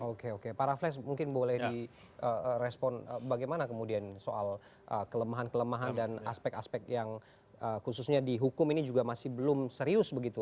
oke oke pak raffles mungkin boleh direspon bagaimana kemudian soal kelemahan kelemahan dan aspek aspek yang khususnya di hukum ini juga masih belum serius begitu